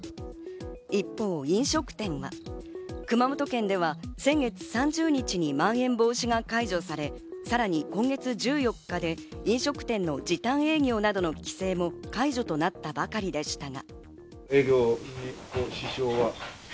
一方、飲食店は、熊本県では先月３０日に、まん延防止が解除され、さらに今月１４日で飲食店の時短営業などの規制も解除となったばかりでしたが。